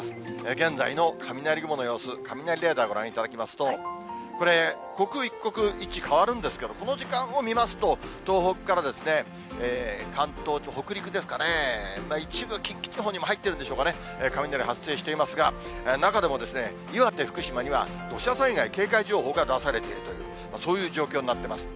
現在の雷雲の様子、雷レーダーご覧いただきますと、これ、刻一刻、位置変わるんですけれども、この時間を見ますと、東北から関東、北陸ですかね、一部、近畿地方にも入ってるんですかね、雷発生してますが、中でも岩手、福島には土砂災害警戒情報が出されているという、そういう状況になってます。